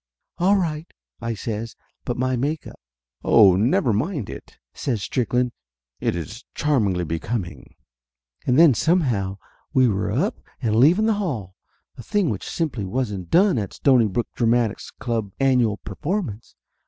"All right !" I says. "But my make up " "Oh, never mind it," says Strickland. "It is charm ingly becoming." And then somehow we were up and leaving the hall. A thing which simply wasn't done at a Stonybrook Dramatic Club's annual performance.